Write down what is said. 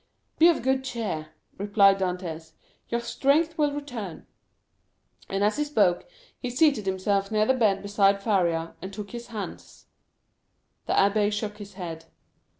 "Be of good cheer," replied Dantès; "your strength will return." And as he spoke he seated himself near the bed beside Faria, and took his hands. The abbé shook his head.